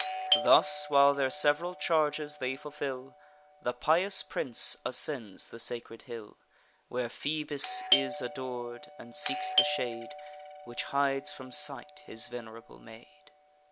Thus, while their sev'ral charges they fulfil, The pious prince ascends the sacred hill Where Phoebus is ador'd; and seeks the shade Which hides from sight his venerable maid.